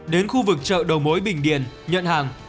đến khu vực chợ đầu mối bình điền nhận hàng